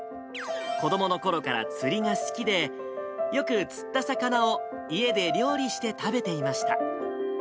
子どものころから釣りが好きで、よく釣った魚を家で料理して食べていました。